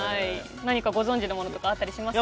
何かご存じのものとかあったりしますか？